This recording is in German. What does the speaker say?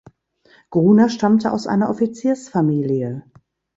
Gruner stammte aus einer Offiziersfamilie.